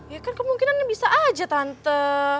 ya kan kemungkinan bisa aja tante